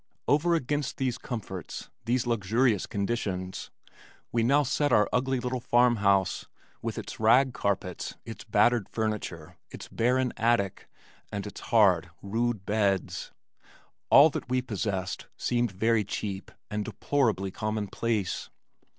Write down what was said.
Over against these comforts, these luxurious conditions, we now set our ugly little farmhouse, with its rag carpets, its battered furniture, its barren attic, and its hard, rude beds. All that we possessed seemed very cheap and deplorably commonplace.